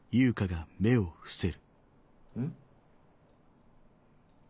ん？